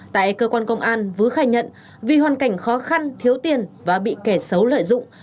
tại cơ quan công an vứ khai nhận vì hoàn cảnh khó khăn thiếu tiền và bị kẻ xấu lợi dụng